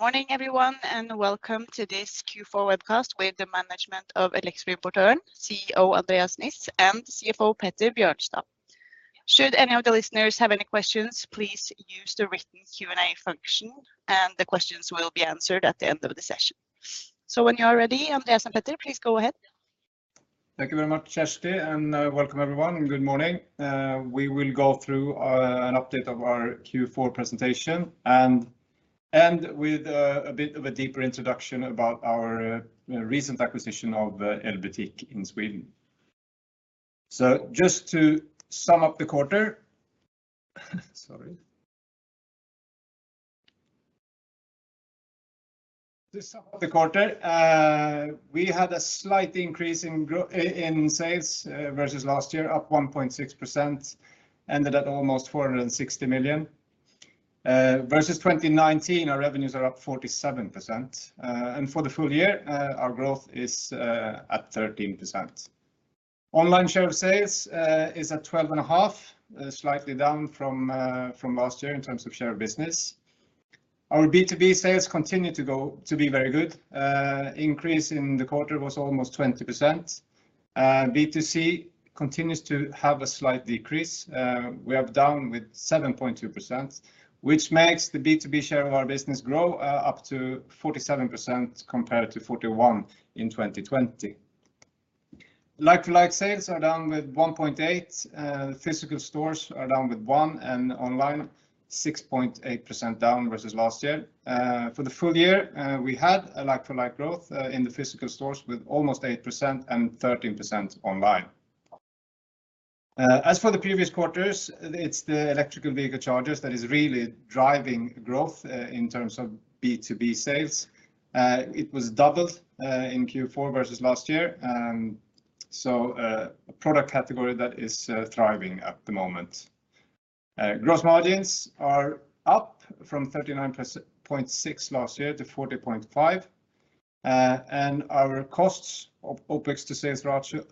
Morning everyone, and welcome to this Q4 webcast with the management of Elektroimportøren, CEO Andreas Niss and CFO Petter Bjørnstad. Should any of the listeners have any questions, please use the written Q&A function, and the questions will be answered at the end of the session. When you are ready, Andreas and Petter, please go ahead. Thank you very much, Kirsty, and welcome everyone, good morning. We will go through an update of our Q4 presentation and with a bit of a deeper introduction about our recent acquisition of Elbutik in Sweden. Just to sum up the quarter, we had a slight increase in sales versus last year, up 1.6%, ended at almost 460 million. Versus 2019, our revenues are up 47%, and for the full year, our growth is at 13%. Online share of sales is at 12.5%, slightly down from last year in terms of share of business. Our B2B sales continue to be very good. Increase in the quarter was almost 20%. B2C continues to have a slight decrease. We are down with 7.2%, which makes the B2B share of our business grow up to 47% compared to 41% in 2020. Like-for-like sales are down with 1.8%. Physical stores are down with 1%, and online 6.8% down versus last year. For the full year, we had a like-for-like growth in the physical stores with almost 8% and 13% online. As for the previous quarters, it's the electric vehicle chargers that is really driving growth in terms of B2B sales. It was doubled in Q4 versus last year. A product category that is thriving at the moment. Gross margins are up from 39.6% last year to 40.5%. Our costs of OPEX to sales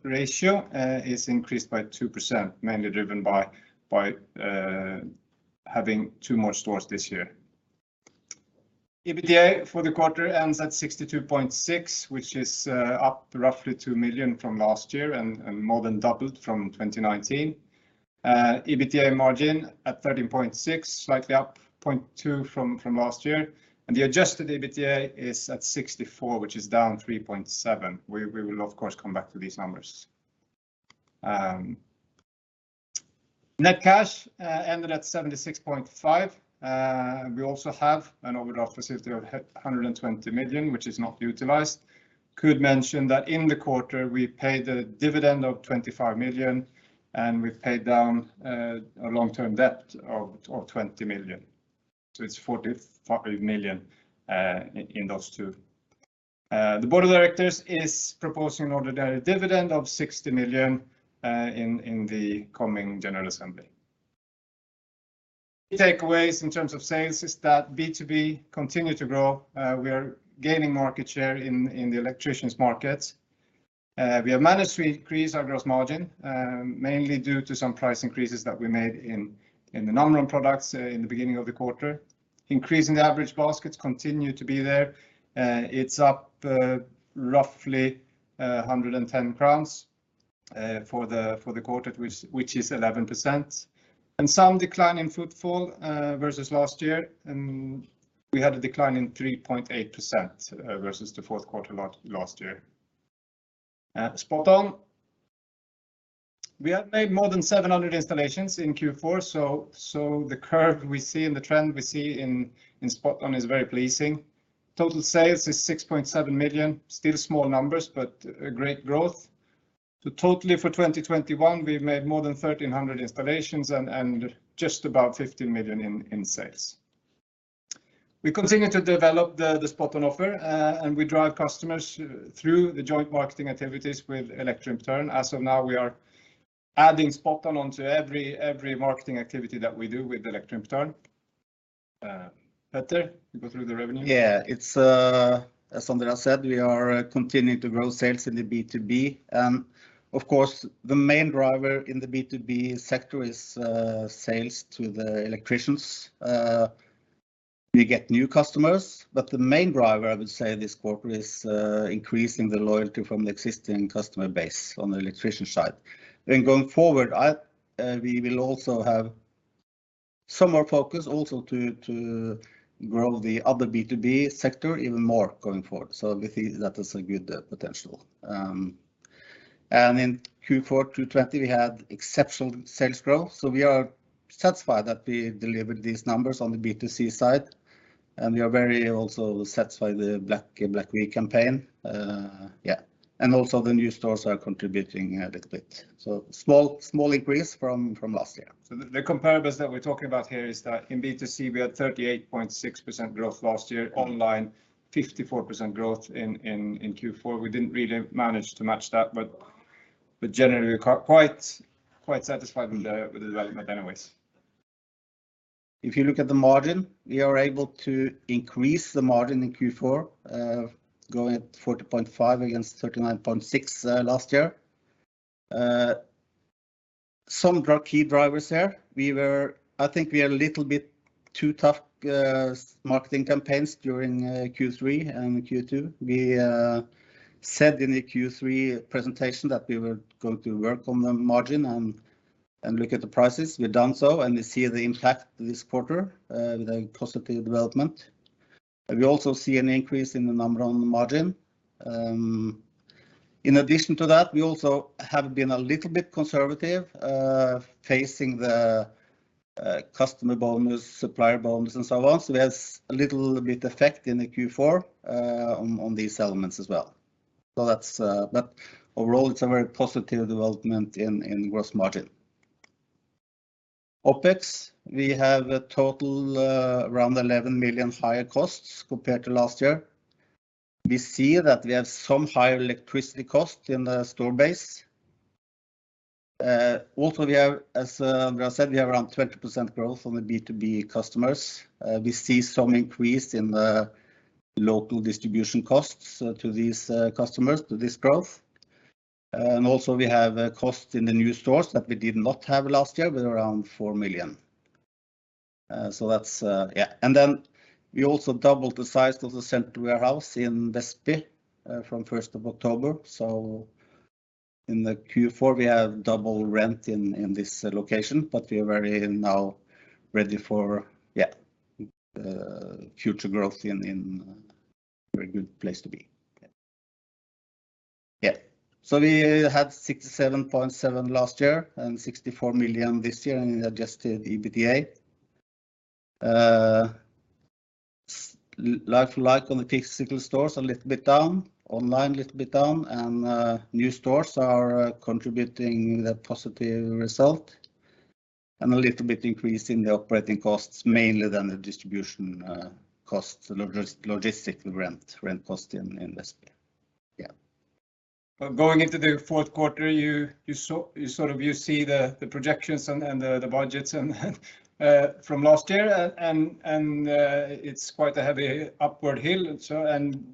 ratio is increased by 2% mainly driven by having 2 more stores this year. EBITDA for the quarter ends at 62.6, which is up roughly 2 million from last year and more than doubled from 2019. EBITDA margin at 13.6%, slightly up 0.2% from last year, and the adjusted EBITDA is at 64, which is down 3.7. We will of course come back to these numbers. Net cash ended at 76.5. We also have an overdraft facility of 120 million, which is not utilized. Could mention that in the quarter we paid a dividend of 25 million, and we paid down a long-term debt of 20 million. It's 45 million in those two. The Board of Directors is proposing an ordinary dividend of 60 million in the coming general meeting. Key takeaways in terms of sales is that B2B continue to grow. We are gaining market share in the electricians markets. We have managed to increase our gross margin mainly due to some price increases that we made in the Namron products in the beginning of the quarter. Increasing the average baskets continue to be there. It's up roughly 110 crowns for the quarter which is 11%. Some decline in footfall versus last year, and we had a decline in 3.8% versus the fourth quarter last year. Spot-on. We have made more than 700 installations in Q4, so the curve we see and the trend we see in SpotOn is very pleasing. Total sales is 6.7 million. Still small numbers, but a great growth. Totally for 2021, we've made more than 1,300 installations and just about 50 million in sales. We continue to develop the Spot On offer, and we drive customers through the joint marketing activities with Elektroimportøren. As of now, we are adding Spot On onto every marketing activity that we do with Elektroimportøren. Petter, you go through the revenue. Yeah. It's as Andreas said, we are continuing to grow sales in the B2B. Of course, the main driver in the B2B sector is sales to the electricians. We get new customers, but the main driver, I would say this quarter, is increasing the loyalty from the existing customer base on the electrician side. Going forward, we will also have some more focus also to grow the other B2B sector even more going forward. We think that is a good potential. In Q4 2020, we had exceptional sales growth, so we are satisfied that we delivered these numbers on the B2C side, and we are also very satisfied with the Black Week campaign. Yeah, and also the new stores are contributing a little bit. Small increase from last year. The comparables that we're talking about here is that in B2C we had 38.6% growth last year. Online 54% growth in Q4. We didn't really manage to match that, but generally we're quite satisfied with the development anyways. If you look at the margin, we are able to increase the margin in Q4, going at 40.5% against 39.6%, last year. Some key drivers there. I think we were a little bit too tough on marketing campaigns during Q3 and Q2. We said in the Q3 presentation that we were going to work on the margin and look at the prices. We've done so, and we see the impact this quarter with a positive development. We also see an increase in the number on the margin. In addition to that, we also have been a little bit conservative with the customer bonus, supplier bonus, and so on. There's a little bit of effect in the Q4 on these elements as well. That's but overall, it's a very positive development in gross margin. OPEX, we have a total around 11 million higher costs compared to last year. We see that we have some higher electricity costs in the store base. Also we have, as I said, we have around 20% growth on the B2B customers. We see some increase in the local distribution costs to these customers, to this growth. Also we have a cost in the new stores that we did not have last year with around 4 million. That's. We also doubled the size of the center warehouse in Vestby from first of October. In Q4, we have double rent in this location, but we are now very ready for future growth in a very good place to be. We had 67.7 million last year and 64 million this year in adjusted EBITDA. Like-for-like on the physical stores, a little bit down, online a little bit down, and new stores are contributing the positive result. A little bit increase in the operating costs, mainly in the distribution costs, logistical rent costs in Vestby. Yeah. Going into the fourth quarter, you sort of see the projections and the budgets from last year and it's quite a heavy upward hill.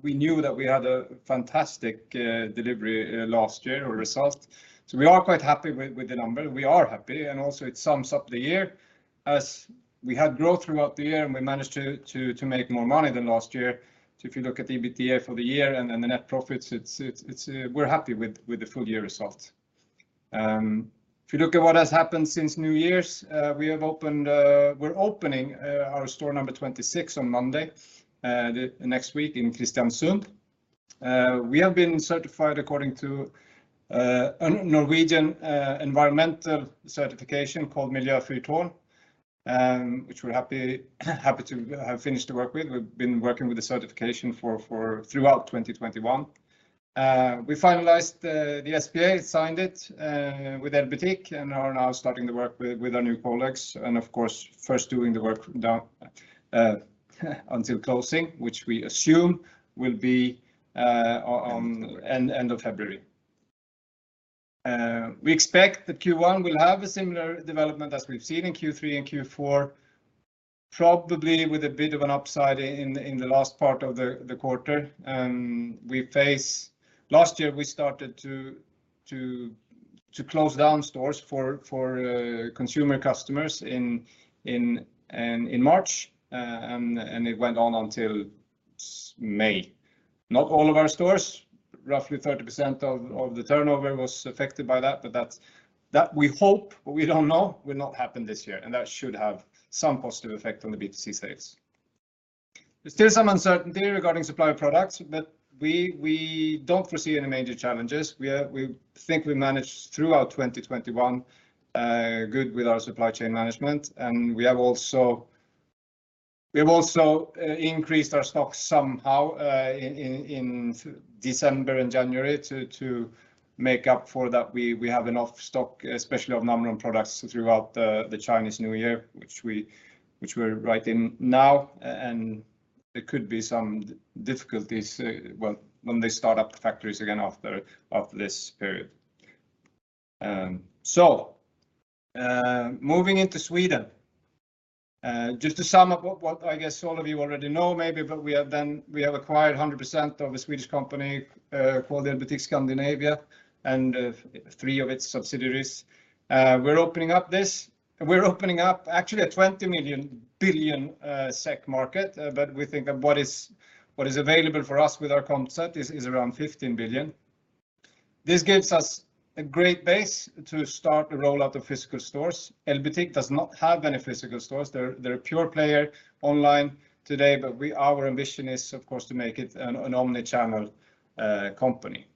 We knew that we had a fantastic delivery last year, our result. We are quite happy with the number. We are happy, and also it sums up the year. We had growth throughout the year, and we managed to make more money than last year. If you look at EBITDA for the year and then the net profits, we're happy with the full year result. If you look at what has happened since New Year's, we're opening our store number 26 on Monday the next week in Kristiansund. We have been certified according to a Norwegian environmental certification called Miljøfyrtårn, which we're happy to have finished the work with. We've been working with the certification throughout 2021. We finalized the SPA, signed it with Elbutik and are now starting the work with our new Pollex. Of course, first doing the work until closing, which we assume will be at the end of February. We expect that Q1 will have a similar development as we've seen in Q3 and Q4, probably with a bit of an upside in the last part of the quarter. Last year, we started to close down stores for consumer customers in March, and it went on until May. Not all of our stores, roughly 30% of the turnover was affected by that. That's that we hope but we don't know will not happen this year, and that should have some positive effect on the B2C sales. There's still some uncertainty regarding supply of products, but we don't foresee any major challenges. We think we managed throughout 2021 good with our supply chain management. We have also increased our stocks somehow in December and January to make up for that. We have enough stock, especially of Namron products throughout the Chinese New Year, which we're right in now. There could be some difficulties well when they start up the factories again after this period. Moving into Sweden, just to sum up what I guess all of you already know maybe, but we have acquired 100% of a Swedish company called Elbutik Scandinavia and three of its subsidiaries. We're opening up actually a 20 billion SEK market. But we think that what is available for us with our concept is around 15 billion SEK. This gives us a great base to start the rollout of physical stores. Elbutik does not have any physical stores. They're a pure player online today, but our ambition is of course to make it an omni-channel company.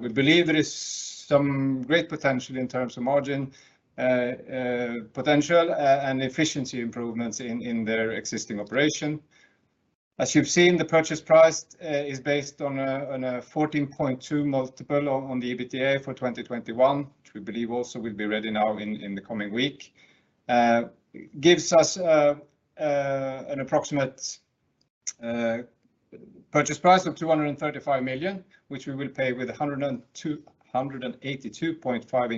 We believe there is some great potential in terms of margin potential and efficiency improvements in their existing operation. As you've seen, the purchase price is based on a 14.2 multiple on the EBITDA for 2021, which we believe also will be ready now in the coming week. It gives us an approximate purchase price of 235 million, which we will pay with 182.5 million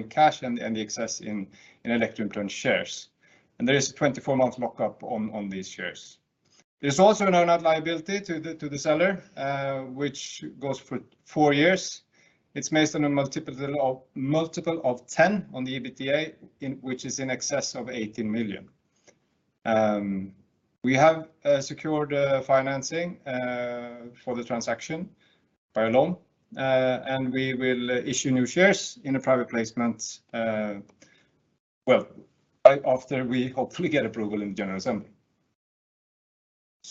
in cash and the excess in Elektroimportøren shares. There is a 24-month lockup on these shares. There is also an earn-out liability to the seller, which goes for four years. It's based on a multiple of 10 on the EBITDA which is in excess of 18 million. We have secured financing for the transaction by loan. We will issue new shares in the private placement, well, right after we hopefully get approval in the general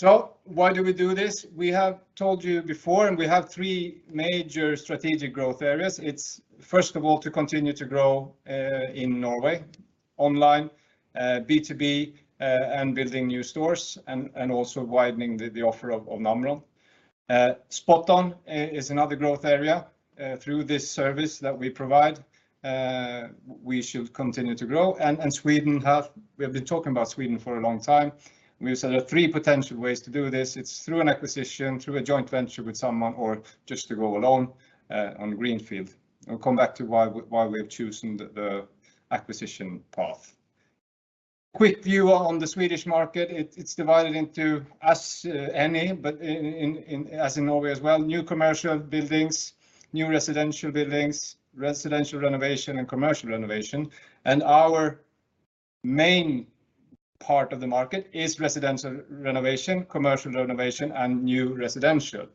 meeting. Why do we do this? We have told you before, and we have three major strategic growth areas. It's first of all, to continue to grow in Norway online, B2B, and building new stores and also widening the offer of Namron. SpotOn is another growth area. Through this service that we provide, we should continue to grow. We have been talking about Sweden for a long time. We've said there are three potential ways to do this. It's through an acquisition, through a joint venture with someone, or just to go alone on greenfield. I'll come back to why we've chosen the acquisition path. Quick view on the Swedish market. It's divided into, as in Norway as well, new commercial buildings, new residential buildings, residential renovation, and commercial renovation. Our main part of the market is residential renovation, commercial renovation, and new residential.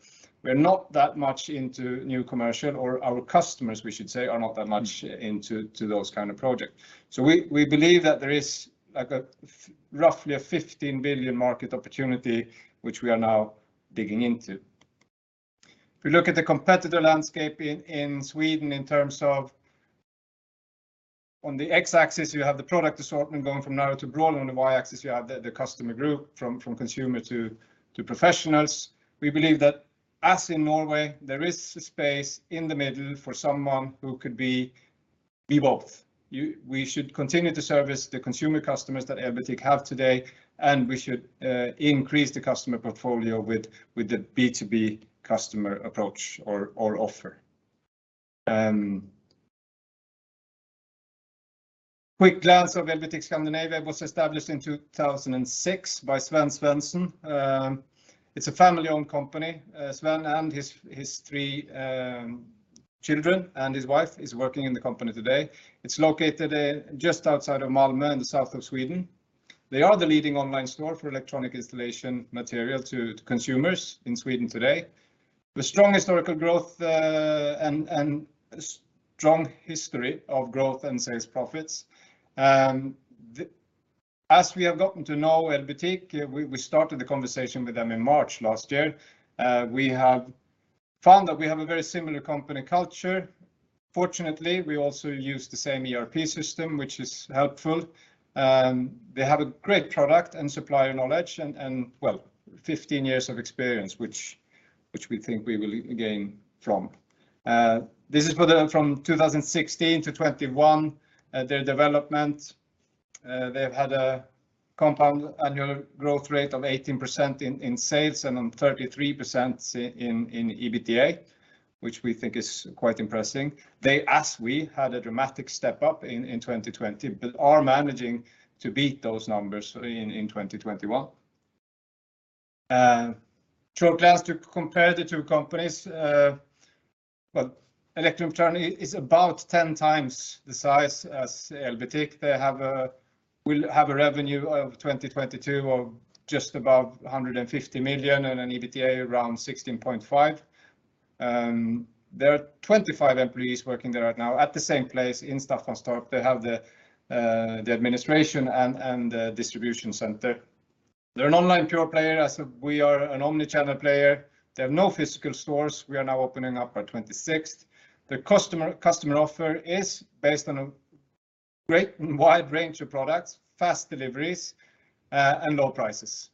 We're not that much into new commercial, or our customers, we should say, are not that much into those kind of projects. We believe that there is like roughly a 15 billion market opportunity, which we are now digging into. If you look at the competitor landscape in Sweden in terms of on the X-axis, you have the product assortment going from narrow to broad. On the Y-axis, you have the customer group from consumer to professionals. We believe that as in Norway, there is space in the middle for someone who could be both. We should continue to service the consumer customers that Elbutik have today, and we should increase the customer portfolio with the B2B customer approach or offer. Quick glance of Elbutik Scandinavia was established in 2006 by Sven Svensson. It's a family-owned company. Sven and his three children and his wife is working in the company today. It's located just outside of Malmö in the south of Sweden. They are the leading online store for electronic installation material to consumers in Sweden today. With strong historical growth and strong history of growth and sales profits. As we have gotten to know Elbutik, we started the conversation with them in March last year. We have found that we have a very similar company culture. Fortunately, we also use the same ERP system, which is helpful. They have a great product and supplier knowledge and well, 15 years of experience, which we think we will gain from. This is for the from 2016 to 2021, their development. They've had a compound annual growth rate of 18% in sales and 33% in EBITDA, which we think is quite impressive. They, as we, had a dramatic step up in 2020 but are managing to beat those numbers in 2021. Short glance to compare the two companies. Well, Elektroimportøren is about 10 times the size as Elbutik. They have a... will have a revenue of 2022 of just above 150 million and an EBITDA around 16.5 million. There are 25 employees working there right now at the same place in Staffanstorp. They have the administration and the distribution center. They're an online pure player, as we are an omni-channel player. They have no physical stores. We are now opening up our 26th. The customer offer is based on a great and wide range of products, fast deliveries, and low prices.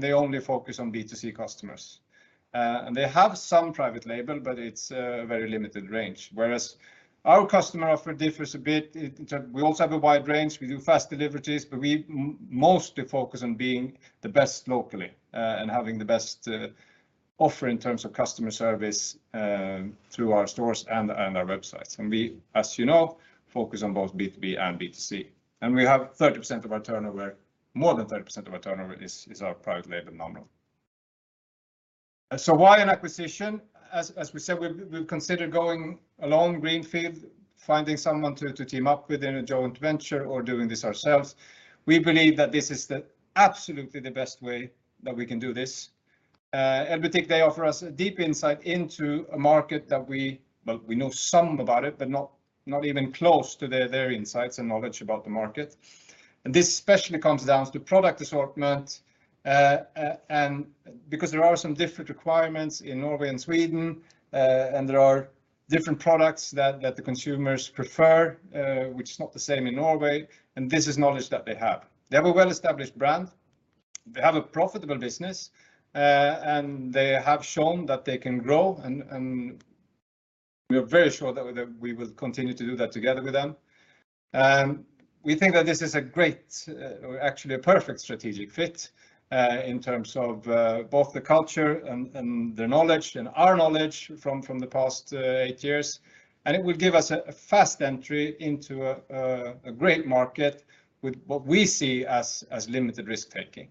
They only focus on B2C customers. They have some private label, but it's a very limited range. Whereas our customer offer differs a bit in terms... We also have a wide range, we do fast deliveries, but we mostly focus on being the best locally, and having the best offer in terms of customer service through our stores and our websites. We, as you know, focus on both B2B and B2C. We have more than 30% of our turnover as our private label Namron. Why an acquisition? As we said, we've considered going alone, greenfield, finding someone to team up with in a joint venture, or doing this ourselves. We believe that this is absolutely the best way that we can do this. Elbutik, they offer us a deep insight into a market that we know something about it, but not even close to their insights and knowledge about the market. This especially comes down to product assortment. Because there are some different requirements in Norway and Sweden, and there are different products that the consumers prefer, which is not the same in Norway, and this is knowledge that they have. They have a well-established brand. They have a profitable business, and they have shown that they can grow, and we are very sure that we will continue to do that together with them. We think that this is a great, or actually a perfect strategic fit, in terms of both the culture and the knowledge and our knowledge from the past eight years, and it will give us a fast entry into a great market with what we see as limited risk-taking.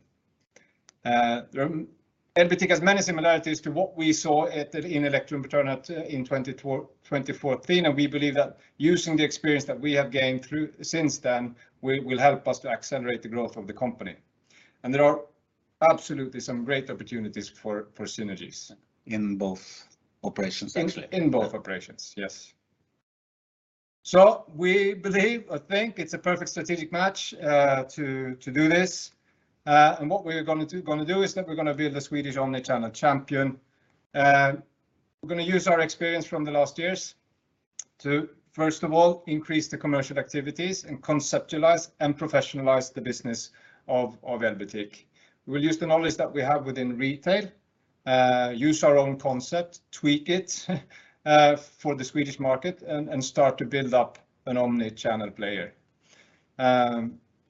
Elbutik has many similarities to what we saw at the, in Elektroimportøren in 2012-2014, and we believe that using the experience that we have gained through since then will help us to accelerate the growth of the company, and there are absolutely some great opportunities for synergies. In both operations actually. In both operations, yes. We believe or think it's a perfect strategic match to do this, and what we're gonna do is that we're gonna build a Swedish omnichannel champion. We're gonna use our experience from the last years to first of all increase the commercial activities and conceptualize and professionalize the business of Elbutik. We'll use the knowledge that we have within retail, use our own concept, tweak it for the Swedish market and start to build up an omnichannel player.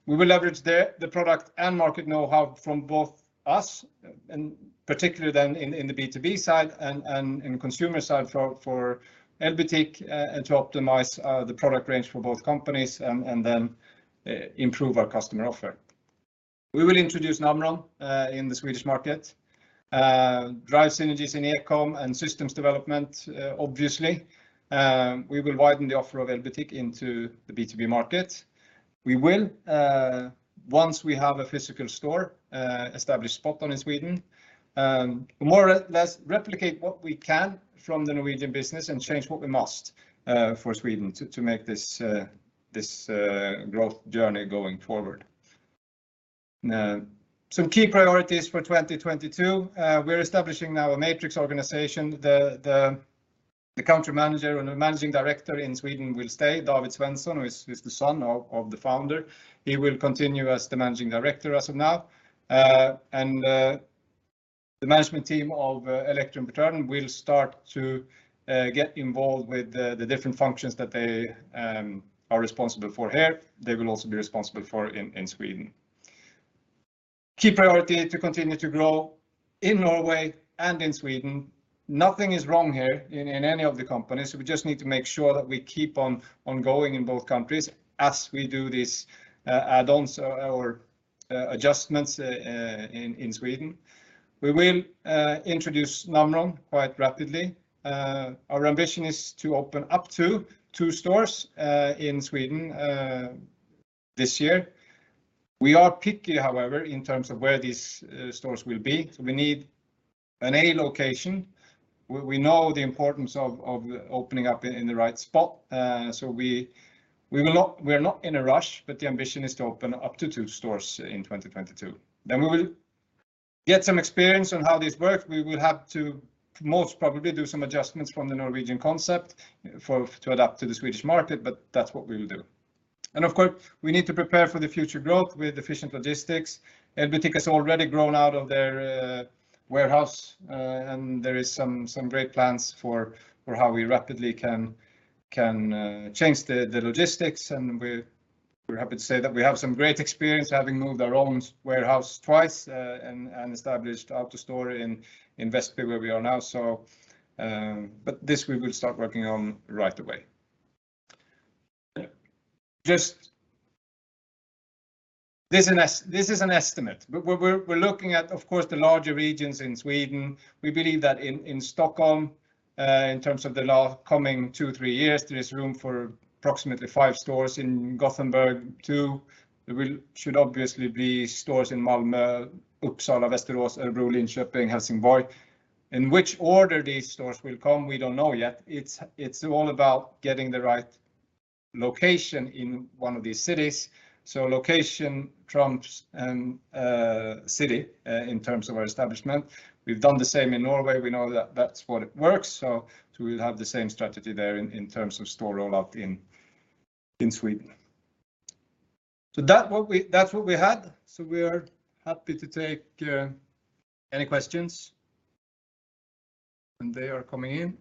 We will leverage the product and market knowhow from both us and particularly then in the B2B side and in consumer side for Elbutik to optimize the product range for both companies and then improve our customer offer. We will introduce Namron in the Swedish market, drive synergies in eCom and systems development, obviously. We will widen the offer of Elbutik into the B2B market. We will, once we have a physical store established Spot On in Sweden, more or less replicate what we can from the Norwegian business and change what we must for Sweden to make this growth journey going forward. Some key priorities for 2022. We're establishing now a matrix organization. The country manager and the managing director in Sweden will stay. David Svensson, who is the son of the founder, he will continue as the managing director as of now. The management team of Elektroimportøren will start to get involved with the different functions that they are responsible for here. They will also be responsible for in Sweden. Key priority to continue to grow in Norway and in Sweden. Nothing is wrong here in any of the companies. We just need to make sure that we keep on going in both countries as we do this add-ons or adjustments in Sweden. We will introduce Namron quite rapidly. Our ambition is to open up to two stores in Sweden this year. We are picky, however, in terms of where these stores will be. We need an A location. We know the importance of opening up in the right spot. We're not in a rush, but the ambition is to open up to two stores in 2022. Then we will get some experience on how this works. We will have to most probably do some adjustments from the Norwegian concept to adapt to the Swedish market, but that's what we will do. Of course, we need to prepare for the future growth with efficient logistics. Elbutik has already grown out of their warehouse. And there is some great plans for how we rapidly can change the logistics, and we're happy to say that we have some great experience having moved our own warehouse twice, and established a store in Vestby where we are now, but this we will start working on right away. This is an estimate. We're looking at, of course, the larger regions in Sweden. We believe that in Stockholm, in terms of the coming two-three years, there is room for approximately 5 stores in Gothenburg too. There should obviously be stores in Malmö, Uppsala, Västerås, Örebro, Linköping, Helsingborg. In which order these stores will come, we don't know yet. It's all about getting the right location in one of these cities. Location trumps city in terms of our establishment. We've done the same in Norway. We know that that's what works. We'll have the same strategy there in terms of store rollout in Sweden. That's what we had. We are happy to take any questions, and they are coming in.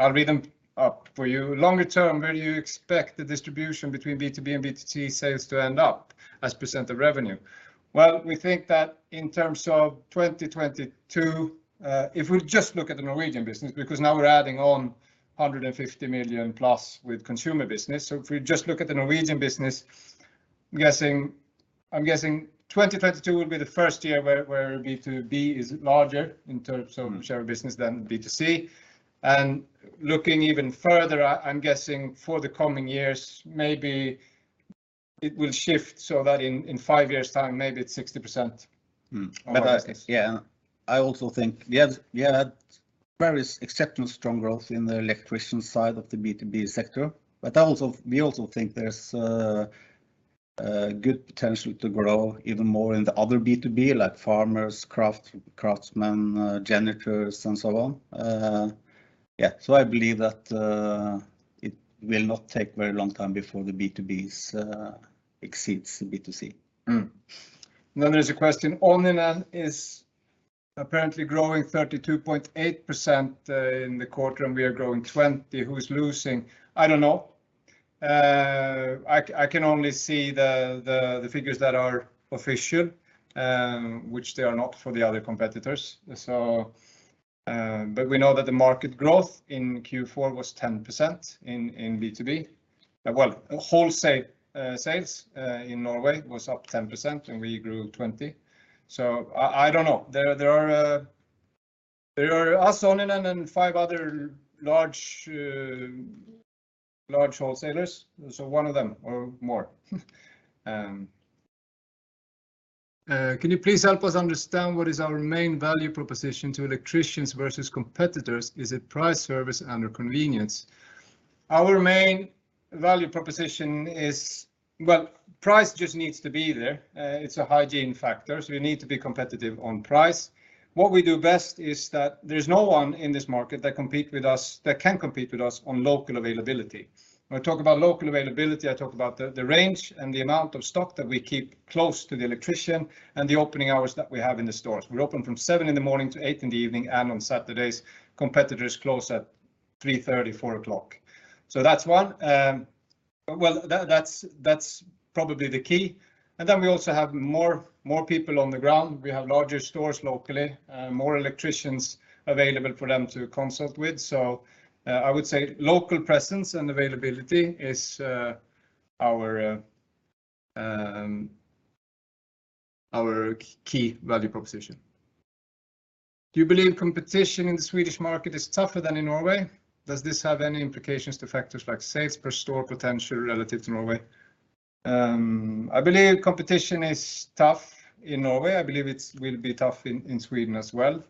I'll read them out for you. Longer term, where do you expect the distribution between B2B and B2C sales to end up as % of revenue? Well, we think that in terms of 2022, if we just look at the Norwegian business, because now we're adding on 150 million plus with consumer business. If we just look at the Norwegian business, I'm guessing 2022 will be the first year where B2B is larger in terms of share of business than B2C. Looking even further, I'm guessing for the coming years, maybe it will shift so that in five years' time, maybe it's 60% of our business. I also think we had various exceptionally strong growth in the electrician side of the B2B sector. We also think there's good potential to grow even more in the other B2B, like farmers, craftsmen, janitors, and so on. Yeah, I believe that it will not take very long time before the B2Bs exceeds the B2C. There's a question, Oninen is apparently growing 32.8% in the quarter, and we are growing 20%. Who is losing? I don't know. I can only see the figures that are official, which they are not for the other competitors. We know that the market growth in Q4 was 10% in B2B. Well, wholesale sales in Norway was up 10%, and we grew 20%. I don't know. There are us, Oninen, and 5 other large wholesalers, so one of them or more. Can you please help us understand what is our main value proposition to electricians versus competitors? Is it price, service, and/or convenience? Our main value proposition is. Well, price just needs to be there. It's a hygiene factor, so we need to be competitive on price. What we do best is that there's no one in this market that compete with us, that can compete with us on local availability. When I talk about local availability, I talk about the range and the amount of stock that we keep close to the electrician and the opening hours that we have in the stores. We're open from 7:00 A.M. to 8:00 P.M. and on Saturdays. Competitors close at 3:30 P.M., 4:00 P.M. That's one. Well, that's probably the key. Then we also have more people on the ground. We have larger stores locally, more electricians available for them to consult with. I would say local presence and availability is our key value proposition. Do you believe competition in the Swedish market is tougher than in Norway? Does this have any implications to factors like sales per store potential relative to Norway? I believe competition is tough in Norway. I believe it will be tough in Sweden as well.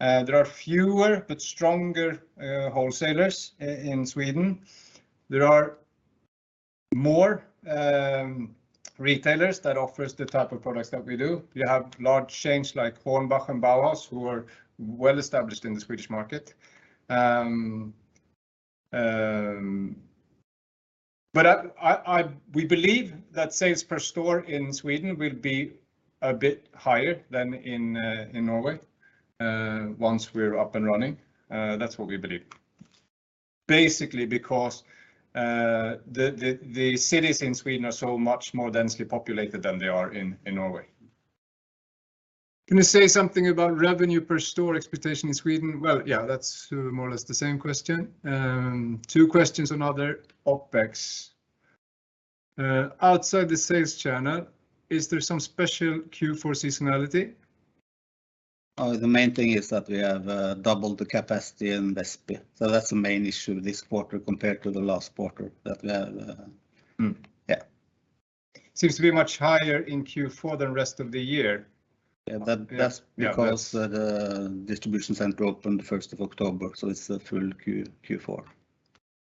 There are fewer but stronger wholesalers in Sweden. There are more retailers that offers the type of products that we do. You have large chains like Hornbach and Bauhaus who are well-established in the Swedish market. We believe that sales per store in Sweden will be a bit higher than in Norway once we're up and running. That's what we believe. Basically because the cities in Sweden are so much more densely populated than they are in Norway. Can you say something about revenue per store expectation in Sweden? Well, yeah, that's more or less the same question. Two questions on other OpEx. Outside the sales channel, is there some special Q4 seasonality? The main thing is that we have doubled the capacity in Västerås, so that's the main issue this quarter compared to the last quarter that we have. Mm. Yeah. Seems to be much higher in Q4 than the rest of the year. Yeah, that. Yeah, that's. That's because the distribution center opened the first of October, so it's a full Q4.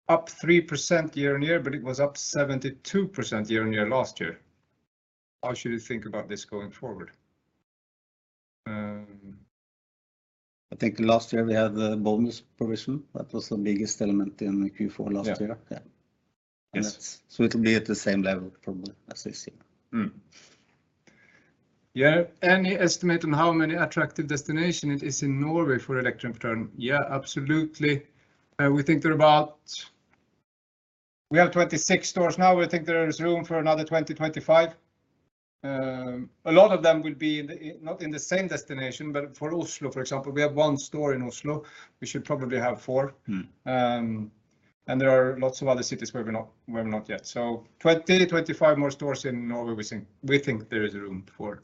Up 3% year-on-year, but it was up 72% year-on-year last year. How should you think about this going forward? I think last year we had the bonus provision. That was the biggest element in Q4 last year. Yeah. Yeah. Yes. That'll be at the same level probably as we've seen. Any estimate on how many attractive destinations there are in Norway for Elektrikerpartner? Yeah, absolutely. We have 26 stores now. We think there is room for another 20-25. A lot of them will be not in the same destination, but for Oslo, for example, we have one store in Oslo. We should probably have four. Mm. there are lots of other cities where we're not yet. 20-25 more stores in Norway we think there is room for.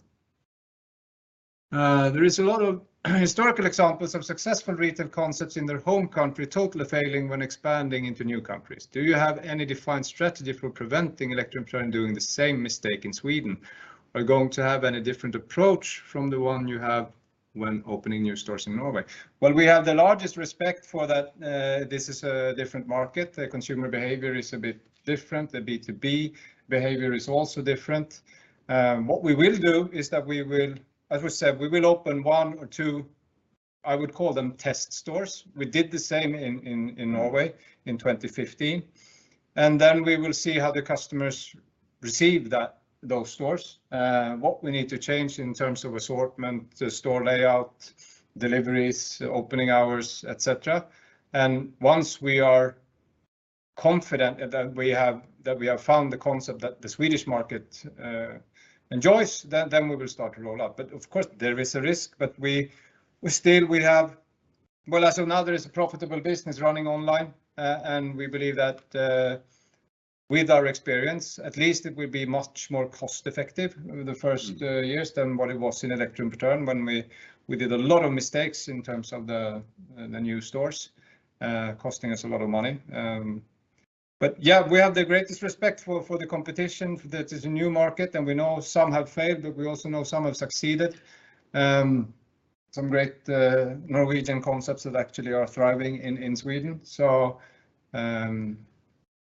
there is a lot of historical examples of successful retail concepts in their home country totally failing when expanding into new countries. Do you have any defined strategy for preventing Elektrikerpartner doing the same mistake in Sweden? Are you going to have any different approach from the one you have when opening new stores in Norway? Well, we have the largest respect for that, this is a different market. The consumer behavior is a bit different. The B2B behavior is also different. What we will do is, as we said, we will open one or two, I would call them test stores. We did the same in Norway in 2015. We will see how the customers receive that, those stores, what we need to change in terms of assortment, the store layout, deliveries, opening hours, et cetera. Once we are confident that we have found the concept that the Swedish market enjoys, then we will start to roll out. Of course, there is a risk, but we still have a profitable business running online. Well, as of now there is a profitable business running online. We believe that with our experience, at least it will be much more cost-effective over the first- Mm. Years than what it was in Elektrikerpartner when we did a lot of mistakes in terms of the new stores costing us a lot of money. Yeah, we have the greatest respect for the competition, for that is a new market, and we know some have failed, but we also know some have succeeded. Some great Norwegian concepts that actually are thriving in Sweden.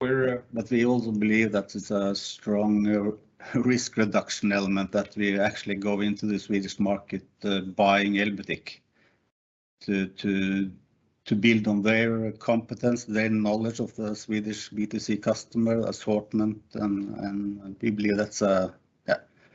We're We also believe that it's a strong risk reduction element that we actually go into the Swedish market, buying Elbutik to build on their competence, their knowledge of the Swedish B2C customer assortment, and we believe that's.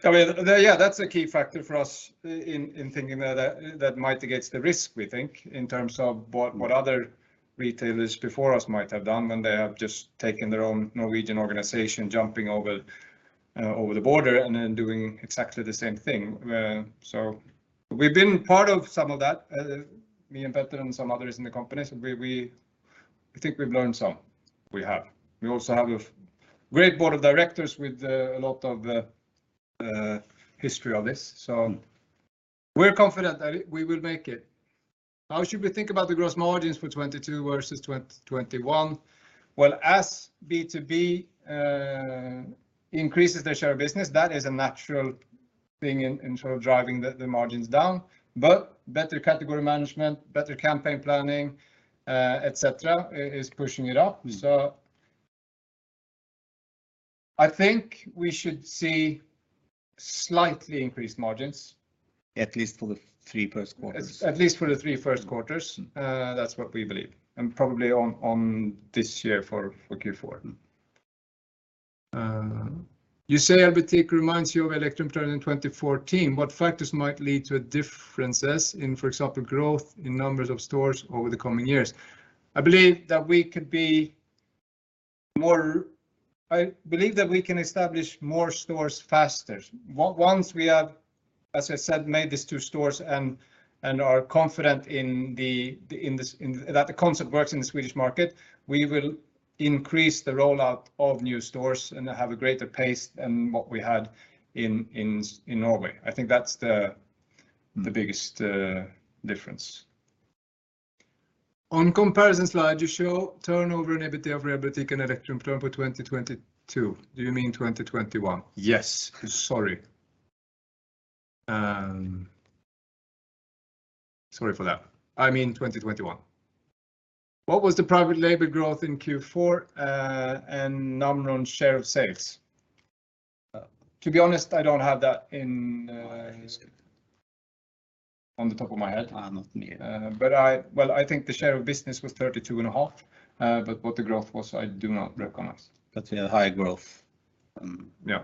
I mean, yeah, that's a key factor for us in thinking that that mitigates the risk, we think, in terms of what other retailers before us might have done when they have just taken their own Norwegian organization, jumping over the border and then doing exactly the same thing. We've been part of some of that, me and Petter and some others in the company, I think we've learned some. We have. We also have a great board of directors with a lot of history of this, so we're confident that we will make it. How should we think about the gross margins for 2022 versus 2021? Well, as B2B increases their share of business, that is a natural thing in sort of driving the margins down. Better category management, better campaign planning, et cetera, is pushing it up. Mm. I think we should see slightly increased margins. At least for the first three quarters. At least for the three first quarters. Mm. That's what we believe, and probably on this year for Q4. Mm. You say Elbutik reminds you of Elektroimportøren in 2014. What factors might lead to differences in, for example, growth in numbers of stores over the coming years? I believe that we can establish more stores faster. Once we have, as I said, made these two stores and are confident that the concept works in the Swedish market, we will increase the rollout of new stores and have a greater pace than what we had in Norway. I think that's the Mm... the biggest difference. On the comparison slide, you show turnover and EBITDA of Elbutik and Elektroimportøren for 2022. Do you mean 2021? Yes. Sorry. Sorry for that. I mean 2021. What was the private label growth in Q4 and Namron's share of sales? To be honest, I don't have that off the top of my head. Not me either. Well, I think the share of business was 32.5%, but what the growth was, I do not recognize. We had high growth. Yeah.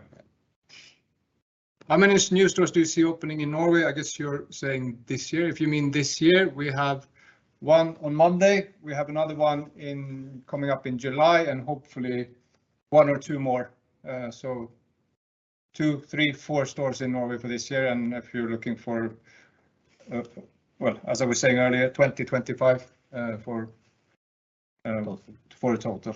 How many new stores do you see opening in Norway? I guess you're saying this year. If you mean this year, we have one on Monday. We have another one coming up in July, and hopefully one or two more. So two, three, four stores in Norway for this year, and if you're looking for, well, as I was saying earlier, 2025, for- Total... for a total.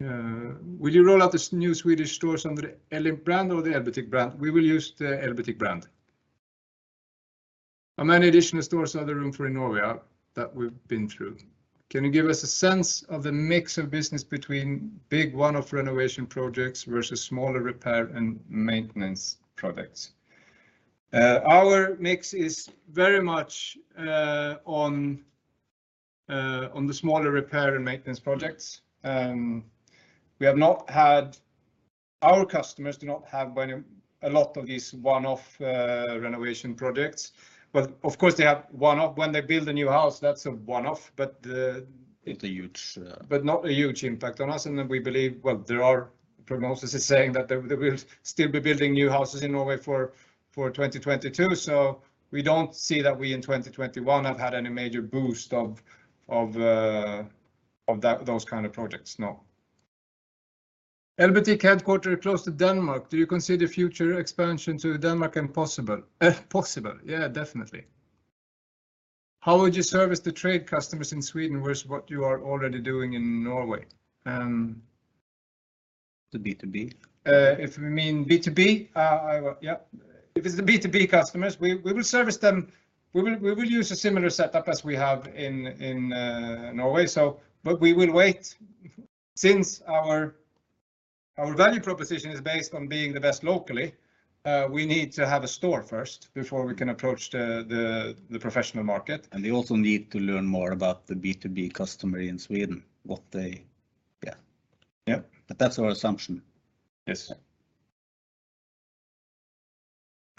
Will you roll out this new Swedish stores under the Elektroimportøren brand or the Elbutik brand? We will use the Elbutik brand. How many additional stores are there room for in Norway? That we've been through. Can you give us a sense of the mix of business between big one-off renovation projects versus smaller repair and maintenance projects? Our mix is very much on the smaller repair and maintenance projects. We have not had. Our customers do not have very a lot of these one-off renovation projects. Of course, they have one-off when they build a new house, that's a one-off, but. It's a huge. Not a huge impact on us, and then we believe there are prognoses saying that they will still be building new houses in Norway for 2022. We don't see that we, in 2021, have had any major boost of those kind of projects. Elbutik headquarters close to Denmark. Do you consider future expansion to Denmark impossible? Possible? Yeah, definitely. How would you service the trade customers in Sweden versus what you are already doing in Norway? The B2B. If you mean B2B. Yeah. If it's the B2B customers, we will service them. We will use a similar setup as we have in Norway. We will wait. Since our value proposition is based on being the best locally, we need to have a store first before we can approach the professional market. They also need to learn more about the B2B customer in Sweden. Yeah. That's our assumption. Yes.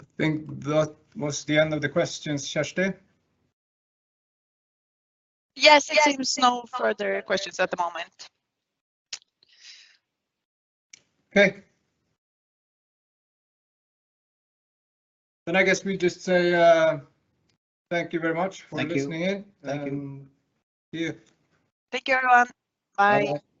I think that was the end of the questions, Kirsty. Yes, it seems no further questions at the moment. Okay. I guess we just say, thank you very much for listening in. Thank you. Thank you. See you. Thank you, everyone. Bye-bye.